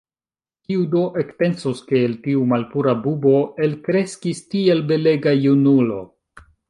Kiu do ekpensus, ke el tiu malpura bubo elkreskis tiel belega junulo!